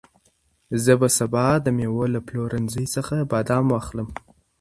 زه به سبا د مېوو له پلورنځي څخه بادام واخلم.